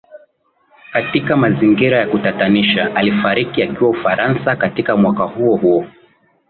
Katika mazingira ya kutatanisha alifariki akiwa Ufaransa katika mwaka huohuo